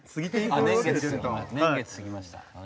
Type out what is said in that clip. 年月過ぎました。